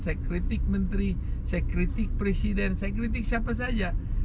saya kritik menteri saya kritik presiden saya kritik siapa saja